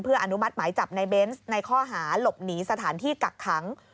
อนุมัติหมายจับในเบนส์ในข้อหาหลบหนีสถานที่กักขัง